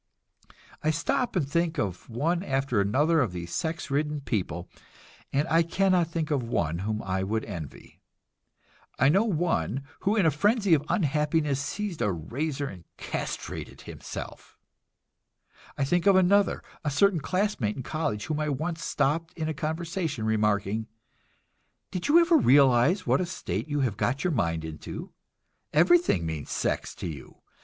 I stop and think of one after another of these sex ridden people, and I cannot think of one whom I would envy. I know one who in a frenzy of unhappiness seized a razor and castrated himself. I think of another, a certain classmate in college whom I once stopped in a conversation, remarking: "Did you ever realize what a state you have got your mind into? Everything means sex to you.